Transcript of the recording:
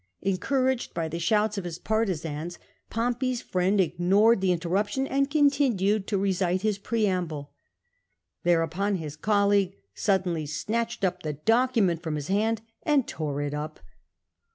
Encouraged by the shouts of his partisans, Pompey's friend ignored the inter ruption and continued to recite his preamble. Thereupon bis colleague suddenly snatched the document from his hand and tore it up.